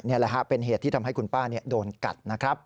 นี่แหละเป็นเหตุที่ทำให้คุณป้าโดนกัด